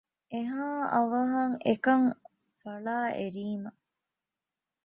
އެހާ އަވަހަށް އެކަން ފަޅާއެރީމަ